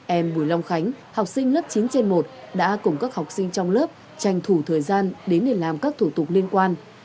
em bùi long khánh học sinh lớp chín trên một đã cùng các học sinh trong lớp tranh thủ thời gian đến để làm các thủ tục liên quan